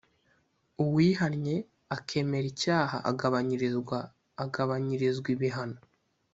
Uwihannye akemera icyaha agabanyirizwa agabanyirizwa ibihano